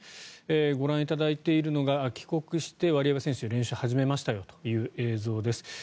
ご覧いただいているのが帰国してワリエワ選手が練習を始めましたよという映像です。